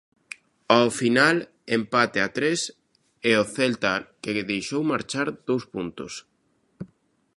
Ao final, empate a tres e o Celta que deixou marchar dous puntos.